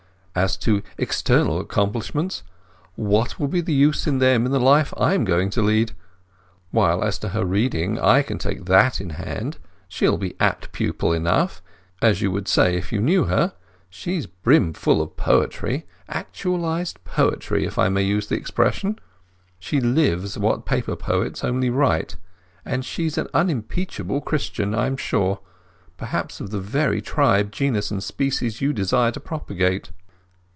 "As to external accomplishments, what will be the use of them in the life I am going to lead?—while as to her reading, I can take that in hand. She'll be apt pupil enough, as you would say if you knew her. She's brim full of poetry—actualized poetry, if I may use the expression. She lives what paper poets only write... And she is an unimpeachable Christian, I am sure; perhaps of the very tribe, genus, and species you desire to propagate."